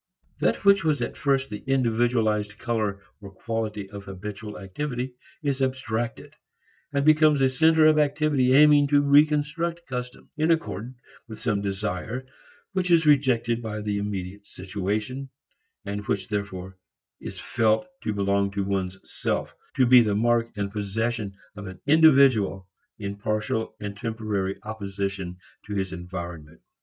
That which was at first the individualized color or quality of habitual activity is abstracted, and becomes a center of activity aiming to reconstruct customs in accord with some desire which is rejected by the immediate situation and which therefore is felt to belong to one's self, to be the mark and possession of an individual in partial and temporary opposition to his environment.